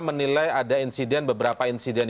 menilai ada insiden beberapa insiden